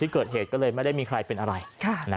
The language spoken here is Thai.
กรีบร้องกัน